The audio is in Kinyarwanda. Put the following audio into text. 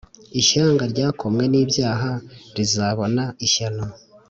Ishyanga ryokamwe n’ibyaha rizabona ishyano